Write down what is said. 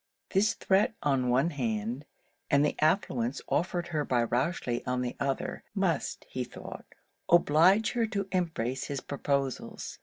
This threat on one hand, and the affluence offered her by Rochely on the other, must, he thought, oblige her to embrace his proposals.